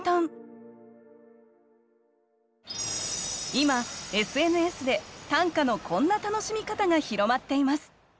今ＳＮＳで短歌のこんな楽しみ方が広まっています。